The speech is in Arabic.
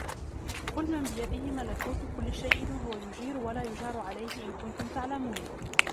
قل من بيده ملكوت كل شيء وهو يجير ولا يجار عليه إن كنتم تعلمون